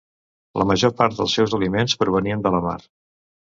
La major part dels seus aliments provenien de la mar.